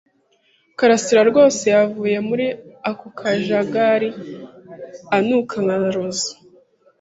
Karasirarwose yavuye muri ako kajagari anuka nka roza.